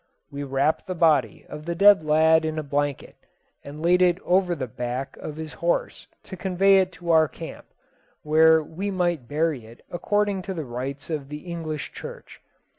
We wrapped the body of the dead lad in a blanket, and laid it over the back of his horse to convey it to our camp, where we might bury it according to the rites of the English church.